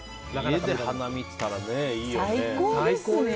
家で花見できたらいいよね。